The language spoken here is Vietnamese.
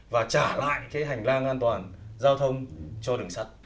và trả lại cái hành lang an toàn giao thông cho đường sắt